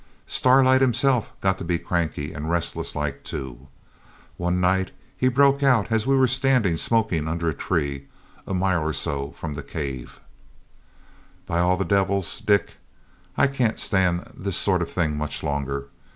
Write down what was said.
Starlight himself got to be cranky and restless like too. One night he broke out as we were standing smoking under a tree, a mile or so from the cave 'By all the devils, Dick, I can't stand this sort of thing much longer.